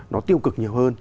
nó tiêu cực nhiều hơn